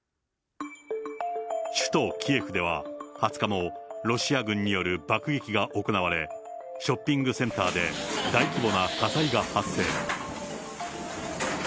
首都キエフでは、２０日もロシア軍による爆撃が行われ、ショッピングセンターで大規模な火災が発生。